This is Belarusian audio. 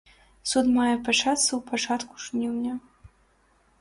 Суд мае пачацца ў пачатку жніўня.